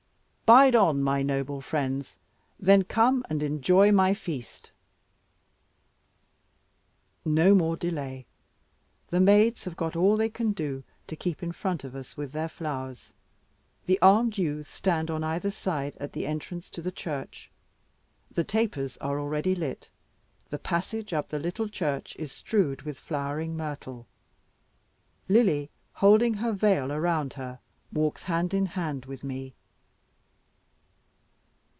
"Bide on, my noble friends; then come and enjoy my feast." No more delay. The maids have got all they can do to keep in front of us with their flowers. The armed youths stand on either side at the entrance to the church. The tapers are already lit, the passage up the little church is strewed with flowering myrtle. Lily, holding her veil around her, walks hand in hand with me.